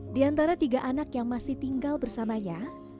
di antara tiga anak yang masih tinggal bersamanya